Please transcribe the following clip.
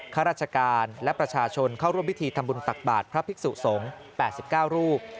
ข้าราชการและประชาชนเข้าร่วมพิธีทำบุญตักบาทพระภิกษุสงฆ์๘๙รูป